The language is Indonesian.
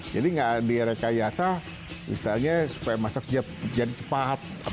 jadi nggak direkayasa misalnya supaya masak cepat